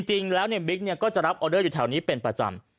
จริงแล้วบิ๊กก็จะรับออเดอร์อยู่แถวนี้เป็นประจำ